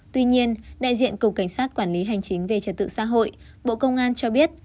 tuy nhiên đại diện cục cảnh sát quản lý hành chính về trật tự xã hội bộ công an cho biết